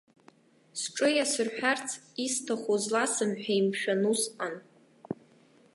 Сҿы иасырҳәарц исҭаху зласымҳәеи, мшәан, усҟан.